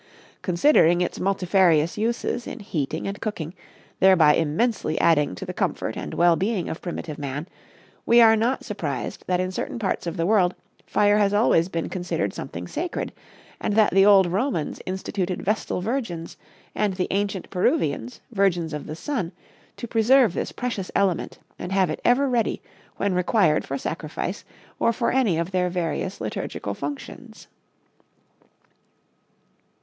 Considering its multifarious uses in heating and cooking, thereby immensely adding to the comfort and well being of primitive man, we are not surprised that in certain parts of the world fire has always been considered something sacred, and that the old Romans instituted Vestal Virgins, and the ancient Peruvians Virgins of the Sun, to preserve this precious element and have it ever ready when required for sacrifice or for any of their various liturgical functions.